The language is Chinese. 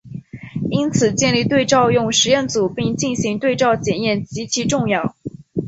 因此建立对照用实验组并进行对照检验极其重要。